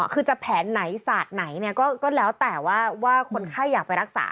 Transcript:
คือจะแผนไหนสาดไหนก็แล้วแต่ว่าคนไข้อยากไปรักษา